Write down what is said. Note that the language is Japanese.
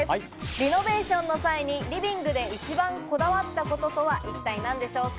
リノベーションの際にリビングで一番こだわったこととは一体何でしょうか？